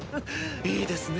いいですね